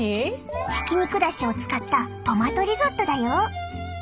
ひき肉だしを使ったトマトリゾットだよ。